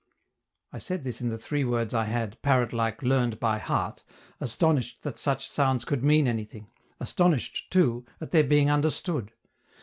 I said this in the three words I had, parrot like, learned by heart, astonished that such sounds could mean anything, astonished, too, at their being understood.